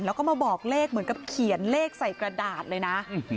แล้วก็มาบอกเลขเหมือนกับเขียนเลขใส่กระดาษเลยนะ